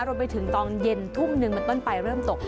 รวมไปถึงตอนเย็นทุ่มหนึ่งเป็นต้นไปเริ่มตก